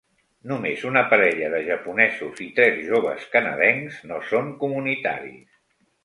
Només una parella de japonesos i tres joves canadencs no són comunitaris.